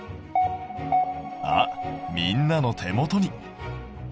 あっみんなの手元に。